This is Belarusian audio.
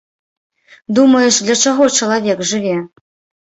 Думаеш, для чаго чалавек жыве?